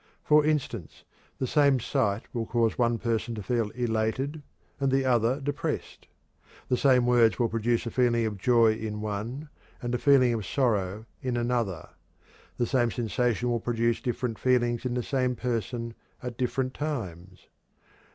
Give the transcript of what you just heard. For instance, the same sight will cause one person to feel elated, and the other depressed; the same words will produce a feeling of joy in one, and a feeling of sorrow in another. The same sensation will produce different feelings in the same person at different times.